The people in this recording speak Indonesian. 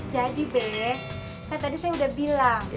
jadi be kayak tadi saya udah bilang